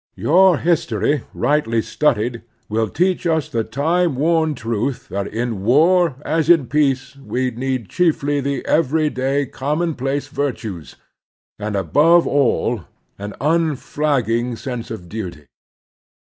Your history, rightly studied, will teach us the time worn truth that in war, as in peace, we need chiefly the everyday, commonplace virtues, and, above all, an unflagging sense of duty.